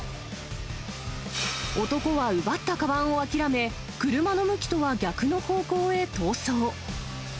男は奪ったかばんを諦め、車の向きとは逆の方向へ逃走。